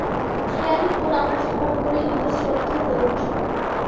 খেয়ালি মন আমার সবার ওপরেই বীতশ্রদ্ধ হয়ে উঠল।